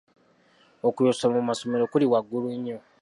Okuyosa mu masomero kuli waggulu nnyo.